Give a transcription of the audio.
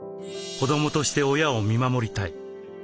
子どもとして親を見守りたい。